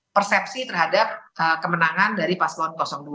persepsi terhadap kemenangan dari paslon dua